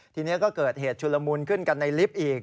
ทีนี้ก็เกิดเหตุชุลมุนขึ้นกันในลิฟต์อีก